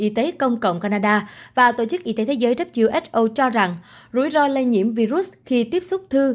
y tế công cộng canada và tổ chức y tế thế giới who cho rằng rủi ro lây nhiễm virus khi tiếp xúc thư